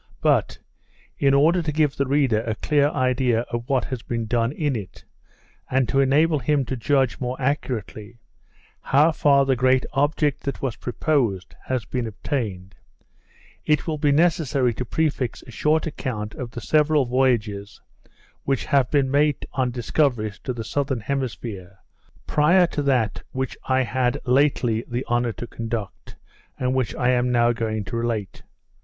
But, in order to give the reader a clear idea of what has been done in it, and to enable him to judge more accurately, how far the great object that was proposed, has been obtained, it will be necessary to prefix a short account of the several voyages which have been made on discoveries to the Southern Hemisphere, prior to that which I had lately the honour to conduct, and which I am now going to relate.